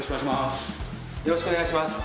よろしくお願いします